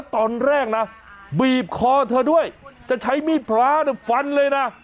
ตอนแรกนะบีบคอเธอด้วยจะใช้มีดพระฟันเลยนะ